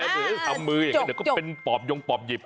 หรือทำมืออย่างเงี้ยก็เป็นปอบโยงปอบหยิบ